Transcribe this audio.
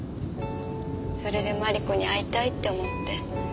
それでマリコに会いたいって思って。